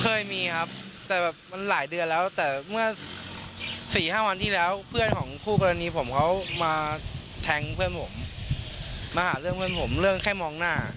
เคยมีครับแต่แบบมันหลายเดือนแล้วแต่เมื่อสี่ห้าวันที่แล้วเพื่อนของคู่กรณีผมเขามาแทงเพื่อนผมมาหาเรื่องเพื่อนผมเรื่องแค่มองหน้า